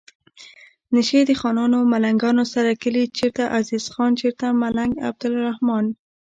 نشي د خانانو ملنګانو سره کلي چرته عزیز خان چرته ملنګ عبدالرحمان